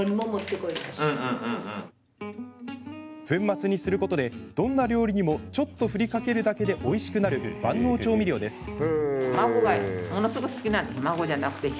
粉末にすることでどんな料理にもちょっと振りかけるだけでおいしくなる万能調味料です。